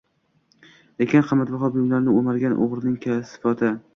lekin qimmatbaho buyumlarni o'margan o'g'rining kasofati